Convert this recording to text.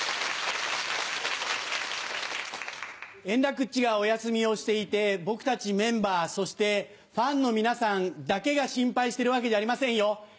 円楽っちがお休みをしていて僕たちメンバーそしてファンの皆さんだけが心配してるわけじゃありませんよ。